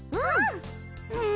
うん！